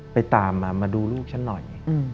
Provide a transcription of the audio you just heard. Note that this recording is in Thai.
ไปตามมามาดูลูกฉันหน่อย